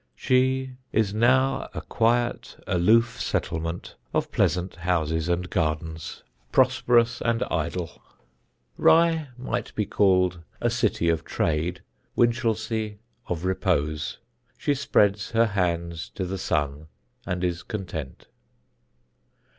She is now a quiet, aloof settlement of pleasant houses and gardens, prosperous and idle. Rye might be called a city of trade, Winchelsea of repose. She spreads her hands to the sun and is content.